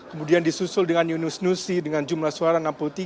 kemudian disusul dengan yunus nusi dengan jumlah suara enam puluh tiga